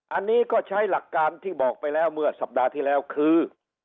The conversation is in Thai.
อันนี้ก็ใช้หลักการที่บอกไปแล้วเมื่อสัปดาห์ที่แล้วคือ